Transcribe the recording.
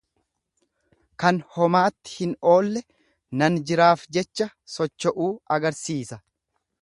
Kan homaatti hin oolle nan jiraaf jecha socho'uu agarsiisa.